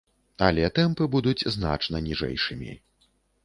Але тэмпы будуць значна ніжэйшымі.